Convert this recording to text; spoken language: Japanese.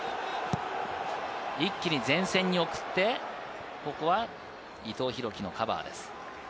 一気に前線に送って、ここは伊藤洋輝のカバーです。